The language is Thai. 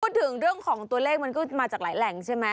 พูดถึงเรื่องของตัวเลขมันก็มาจากหลายแหล่งใช่ไหม